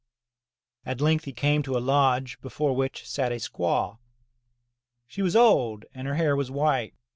At length he came to a lodge before which sat a squaw. She was old and her hair was white.